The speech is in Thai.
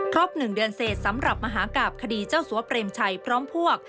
๑เดือนเสร็จสำหรับมหากราบคดีเจ้าสัวเปรมชัยพร้อมพวก